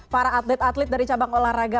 para atlet atlet dari cabang olahraga